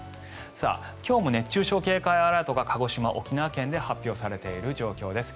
今日も熱中症警戒アラートが鹿児島、沖縄県で発表されている状況です。